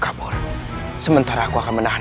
kabur sementara aku akan menahan